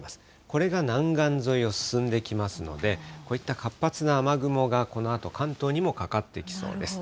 これが南岸沿いを進んできますので、こういった活発な雨雲がこのあと関東にもかかってきそうです。